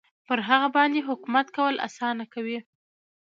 پر هغه باندې حکومت کول اسانه کوي.